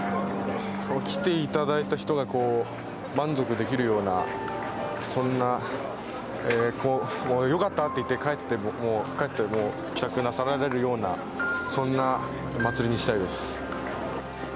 来ていただいた人が満足できるようなそんな「よかった」って言って帰って帰宅されるようなそんなまつりにしたいです。